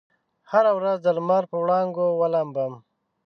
هره ورځ دلمر په وړانګو ولامبم